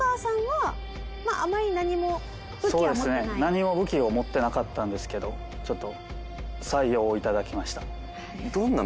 何も武器を持ってなかったんですけどちょっと採用を頂きました。